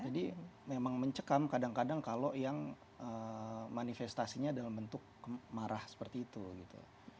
jadi memang mencekam kadang kadang kalau yang manifestasinya dalam bentuk marah seperti itu